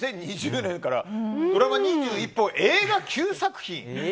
２０２０年からドラマ２１本映画９作品。